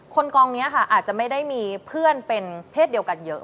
กองนี้ค่ะอาจจะไม่ได้มีเพื่อนเป็นเพศเดียวกันเยอะ